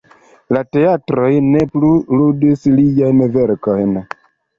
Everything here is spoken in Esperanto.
La teatroj ne plu ludis liajn verkojn.